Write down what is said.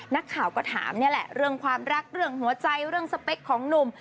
นักข่าวก็ถามนี่แหละเรื่องความรักเรื่องหัวใจเรื่องสเปคของหนุ่ม